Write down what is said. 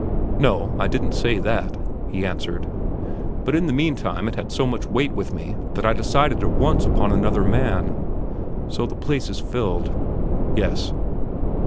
"No, I didn't say that," he answered, "but in the meantime it had so much weight with me that I decided at once upon another man." "So the place is filled?" "Yes."